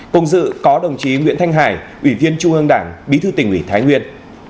cùng dự có đồng chí nguyễn thanh hải ủy viên trung ương đảng bí thư tỉnh ủy thái nguyên